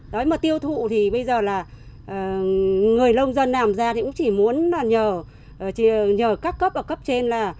đấy mà tiêu thụ thì bây giờ là người lông dân nào mà ra thì cũng chỉ muốn nhờ các cấp ở cấp trên là